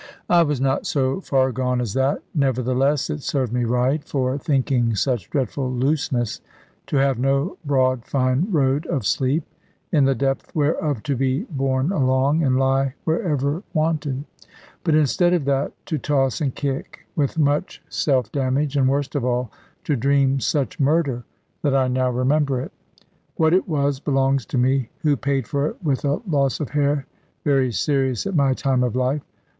I was not so far gone as that. Nevertheless, it served me right (for thinking such dreadful looseness) to have no broad fine road of sleep, in the depth whereof to be borne along, and lie wherever wanted; but instead of that to toss and kick, with much self damage, and worst of all, to dream such murder that I now remember it. What it was, belongs to me, who paid for it with a loss of hair, very serious at my time of life.